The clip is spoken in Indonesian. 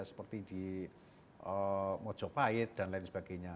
seperti di mojopahit dan lain sebagainya